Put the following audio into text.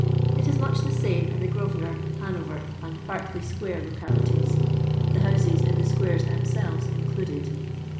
It is much tlie same in the Grosvenor, Hanover, and Berkeley square localities (the houses in the squares them selves included).